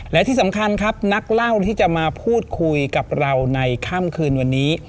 และที่สำคัญครับนักเล่าที่จะมาพูดคุยกับเราในค่ำคืนวันนี้